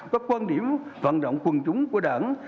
có quan điểm văn động quân chúng của đảng